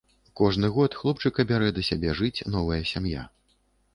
Кожны год хлопчыка бярэ да сябе жыць новая сям'я.